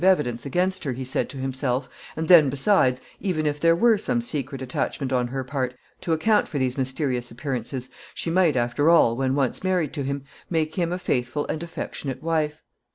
He had no positive evidence against her, he said to himself, and then, besides, even if there were some secret attachment on her part, to account for these mysterious appearances, she might, after all, when once married to him, make him a faithful and affectionate wife.